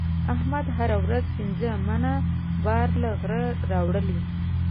احمد هره ورځ پنځه منه بار له غره راولي.